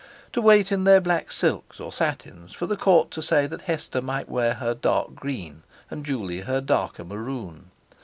To wait in their black silks or satins for the Court to say that Hester might wear her dark green, and Juley her darker maroon.